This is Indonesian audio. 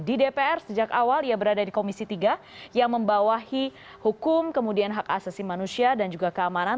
di dpr sejak awal ia berada di komisi tiga yang membawahi hukum kemudian hak asasi manusia dan juga keamanan